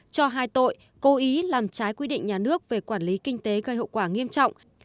cho hai tội cố ý làm trái quy định nhà nước về quản lý kinh tế gây hậu quả nghiêm trọng